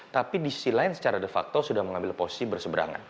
tapi di sisi lain secara de facto sudah mengambil posisi berseberangan